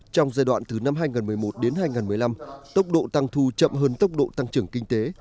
trong giai đoạn từ năm hai nghìn một mươi một đến hai nghìn một mươi năm tốc độ tăng thu chậm hơn tốc độ tăng trưởng kinh tế